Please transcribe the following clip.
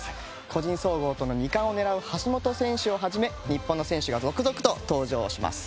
個人総合との２冠を狙う橋本選手をはじめ日本の選手が続々と登場します。